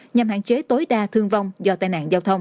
nhằm hạn chế tối đa thương vong do tai nạn giao thông